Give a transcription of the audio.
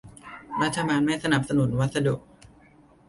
รัฐบาลไม่สนับสนุนวัสดุ